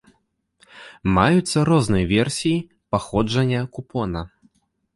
Маюцца розныя версіі паходжання купона.